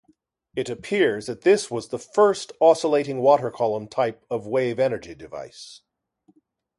It appears that this was the first oscillating water-column type of wave-energy device.